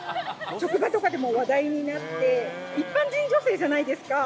職場とかでも話題になって、一般人女性じゃないですか。